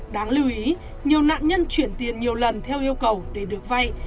đáng lưu ý nhiều nạn nhân chuyển tiền nhiều lần theo yêu cầu để được vay